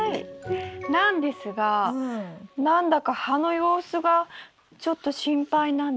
なんですが何だか葉の様子がちょっと心配なんです。